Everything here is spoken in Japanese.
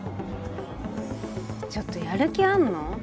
ちょっとやる気あんの？